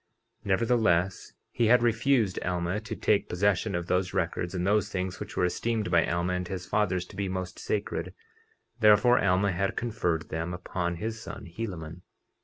50:38 Nevertheless, he had refused Alma to take possession of those records and those things which were esteemed by Alma and his fathers to be most sacred; therefore Alma had conferred them upon his son, Helaman.